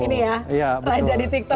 ini ya raja di tiktok